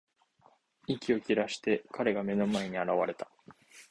息を切らして、彼が目の前に現れた。